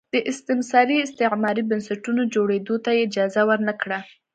د استثماري استعماري بنسټونو جوړېدو ته یې اجازه ور نه کړه.